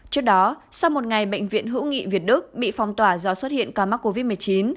trước đó sau một ngày bệnh viện hữu nghị việt đức bị phong tỏa do xuất hiện ca mắc covid một mươi chín